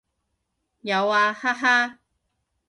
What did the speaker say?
有啊，哈哈